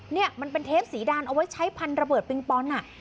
เนี่ยมันเป็นเทปสีดานเอาไว้ใช้พันระเบิดปิงปองอ่ะ